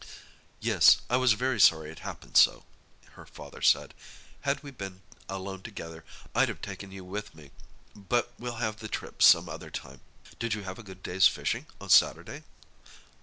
"Yes, I was very sorry it happened so," her father said; "had we been alone together I'd have taken you with me, but we'll have the trip some other time. Did you have a good day's fishing on Saturday?"